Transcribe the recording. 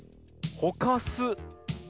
ほかす。